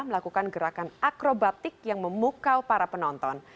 melakukan gerakan akrobatik yang memukau para penonton